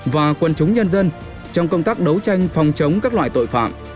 và quân chúng nhân dân trong công tác đấu tranh phòng chống các loại tội phạm